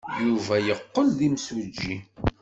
Yuba yeqqel d imsujji.